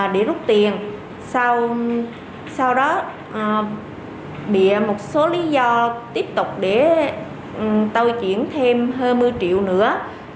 để rút tiền sau đó bị một số lý do tiếp tục để tàu chuyển thêm hơn một mươi triệu nữa